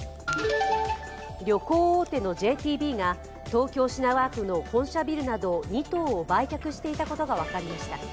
旅行大手のＪＴＢが、東京・品川区の本社ビルなど２棟を売却していたことが分かりました。